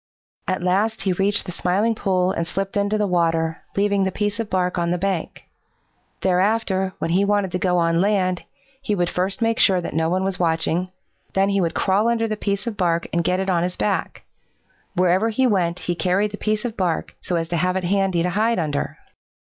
At last he reached the Smiling Pool and slipped into the water, leaving the piece of bark on the bank. Thereafter, when he wanted to go on land, he would first make sure that no one was watching. Then he would crawl under the piece of bark and get it on his back. Wherever he went he carried the piece of bark so as to have it handy to hide under.